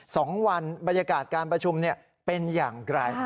สองวันบรรยากาศการประชุมเนี่ยเป็นอย่างไร